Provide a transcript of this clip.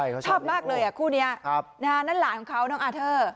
ชอบมากเลยอ่ะคู่นี้นั่นหลานของเขาน้องอาเทอร์